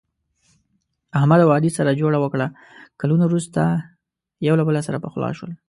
احمد او علي سره جوړه وکړه، کلونه ورسته یو له بل سره پخلا شول.